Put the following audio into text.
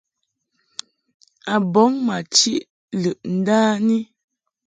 A bɔŋ ma chiʼ lɨʼ ndani.